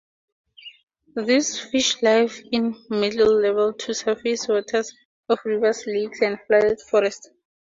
These fish live in midlevel to surface waters of rivers, lakes, and flooded forests.